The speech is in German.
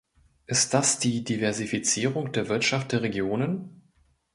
Ist das die Diversifizierung der Wirtschaft der Regionen?